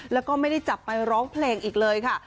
แล้วก็ไม่ได้จับไปร้องเพลงอีกเลยค่ะ